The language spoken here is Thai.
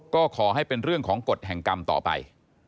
ก็ขอให้เป็นเรื่องของกฎแห่งกรรมต่อไป